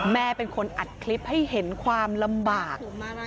แม่เป็นคนอัดคลิปให้เห็นความลำบาก